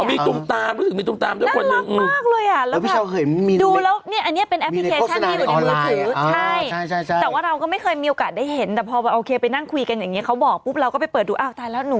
มีตรงตามมีตรงตามเจ้าคนหนึ่งอืมน่ารักมากเลย